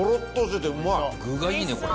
具がいいねこれ。